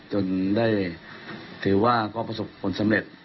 จนได้ถือว่าก็ประสบผลสำเร็จ